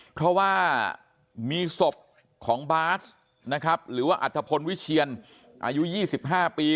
เพราะว่ามีศพของบาสนะครับหรือว่าอัฐพลวิเชียนอายุ๒๕ปี